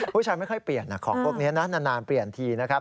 ไม่ค่อยเปลี่ยนของพวกนี้นะนานเปลี่ยนทีนะครับ